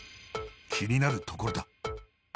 気になるところだ。